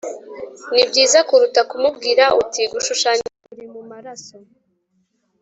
ni byiza kuruta kumubwira uti gushushanya bikuri mu maraso